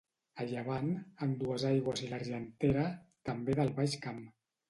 A llevant, amb Duesaigües i l'Argentera, també del Baix Camp.